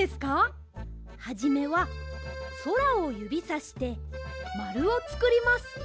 はじめはそらをゆびさしてまるをつくります。